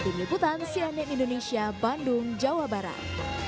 di nebutan sianet indonesia bandung jawa barat